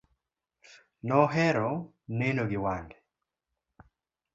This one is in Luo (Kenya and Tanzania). Nohero neno gi wange.